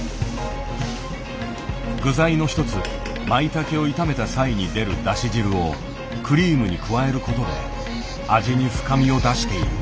具材の一つまいたけを炒めた際に出るだし汁をクリームに加えることで味に深みを出している。